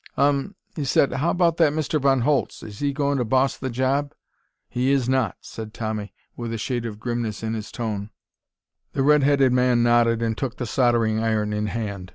"Um," he said. "How about that Mr. Von Holtz? Is he goin' to boss the job?" "He is not," said Tommy, with a shade of grimness in his tone. The red headed man nodded and took the soldering iron in hand.